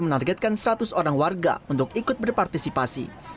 menargetkan seratus orang warga untuk ikut berpartisipasi